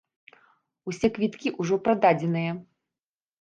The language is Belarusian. Усе квіткі ўжо прададзеныя.